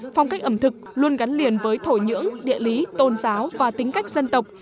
phong cách ẩm thực luôn gắn liền với thổi nhưỡng địa lý tôn giáo và tính cách dân tộc